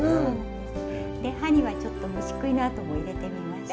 で葉にはちょっと虫食いの跡も入れてみました。